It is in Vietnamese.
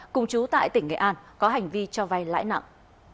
cùng chú tại tỉnh nghệ an có hành vi cho vay lãi nặng